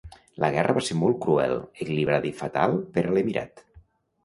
La guerra va ser molt cruel, equilibrada i fatal per a l'emirat.